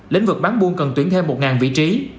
lĩnh vực bán buôn cần tuyển thêm một vị trí